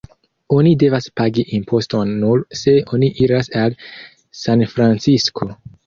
Oni devas pagi imposton nur se oni iras al Sanfrancisko.